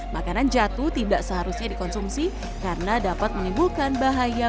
makanan jatuh tidak seharusnya dikonsumsi karena dapat menimbulkan bahaya